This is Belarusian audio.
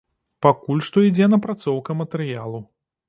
Пакуль што ідзе напрацоўка матэрыялу.